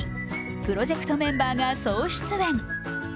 プロジェクトメンバーが総出演。